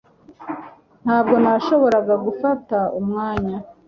Ntabwo nashoboraga gufata umwanya